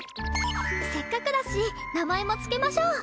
せっかくだし名前もつけましょう！